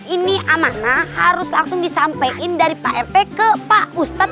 ini amanah harus langsung disampaikan dari pak rt ke pak ustadz